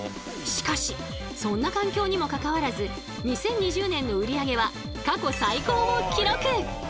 しかしそんな環境にもかかわらず２０２０年の売り上げは過去最高を記録！